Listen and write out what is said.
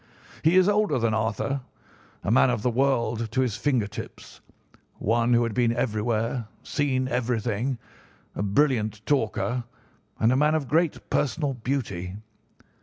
He is older than Arthur, a man of the world to his finger tips, one who had been everywhere, seen everything, a brilliant talker, and a man of great personal beauty.